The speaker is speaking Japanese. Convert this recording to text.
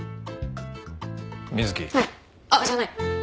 あっじゃない。